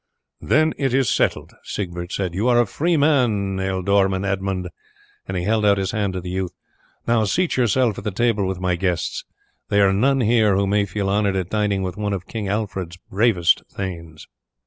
"Then it is settled," Siegbert said. "You are a free man, Ealdorman Edmund," and he held out his hand to the youth. "Now seat yourself at the table with my guests; there are none here but may feel honoured at dining with one of King Alfred's bravest thanes."